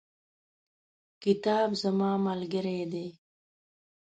کتاب زما ملګری دی.